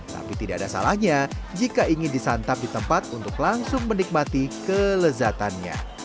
tapi tidak ada salahnya jika ingin disantap di tempat untuk langsung menikmati kelezatannya